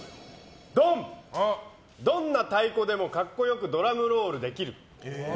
どんな太鼓でも格好良くドラムロールできる。